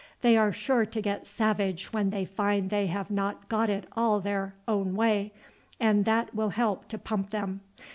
They are sure to get savage when they find they have not got it all their own way, and that will help to pump them.